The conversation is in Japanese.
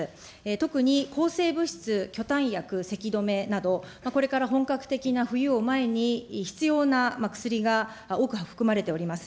特に、抗生物質、去たん薬、せき止めなど、これから本格的な冬を前に、必要な薬が多く含まれております。